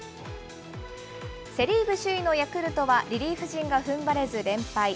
セ・リーグ首位のヤクルトはリリーフ陣がふんばれず連敗。